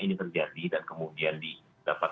ini terjadi dan kemudian didapat